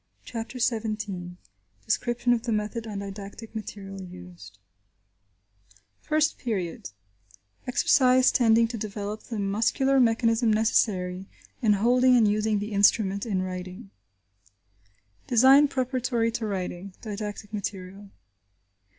CHAPTER XVII DESCRIPTION OF THE METHOD AND DIDACTIC MATERIAL USED FIRST PERIOD: EXERCISE TENDING TO DEVELOP THE MUSCULAR MECHANISM NECESSARY IN HOLDING AND USING THE INSTRUMENT IN WRITING Design Preparatory to Writing.–Didactic Material.